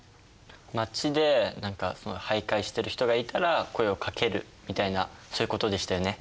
街で何か徘徊してる人がいたら声をかけるみたいなそういうことでしたよね。